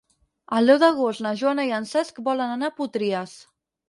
El deu d'agost na Joana i en Cesc volen anar a Potries.